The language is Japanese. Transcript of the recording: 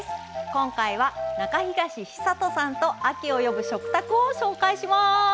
今回は中東久人さんと「『秋を呼ぶ』食卓」を紹介します。